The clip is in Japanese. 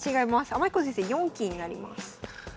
天彦先生４期になります。